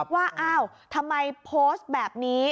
ว่าอ้าวทำไมโพสต์แบบนี้